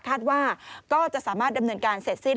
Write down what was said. คาดว่าก็จะสามารถดำเนินการเสร็จสิ้น